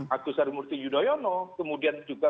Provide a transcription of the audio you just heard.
agus harimurti yudhoyono kemudian juga